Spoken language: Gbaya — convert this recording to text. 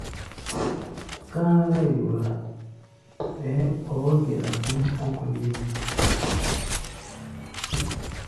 Kárá yorá, ɓɛɛ ɓɔ́ɔ́-geda kɔ́ʼm ɔ̧́k léŋ.